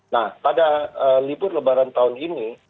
nah pada libur lebaran tahun ini